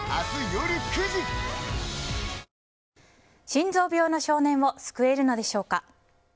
心臓病の少年を救えるのでしょうか。